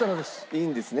いいんですね？